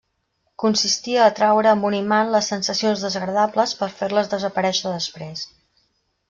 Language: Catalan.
Consistia a atraure amb un imant les sensacions desagradables per fer-les desaparèixer després.